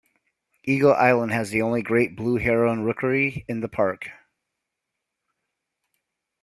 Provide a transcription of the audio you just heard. Eagle Island has the only great blue heron rookery in the park.